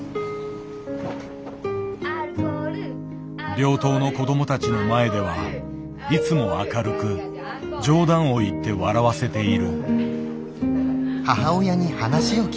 病棟の子どもたちの前ではいつも明るく冗談を言って笑わせている。